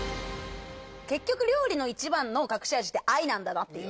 結局料理の一番の隠し味って愛なんだなっていう。